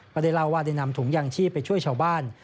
ก็ได้เล่าว่าได้นำถุงยางชีพไปช่วยชาวบ้าน